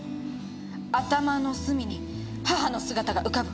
「頭の隅に母の姿が浮かぶ」